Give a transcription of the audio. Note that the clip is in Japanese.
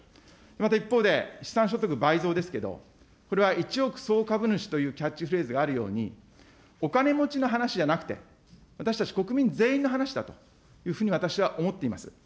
また一方で、資産所得倍増ですけれども、これは１億総株主というキャッチフレーズがあるように、お金持ちの話じゃなくて、私たち国民全員の話だというふうに私は思っています。